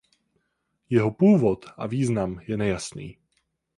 Jeho původ a význam je nejasný.